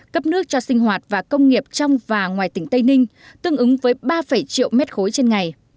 cấp nước cho sinh hoạt và công nghiệp trong và ngoài tỉnh tây ninh tương ứng với ba năm triệu m ba trên ngày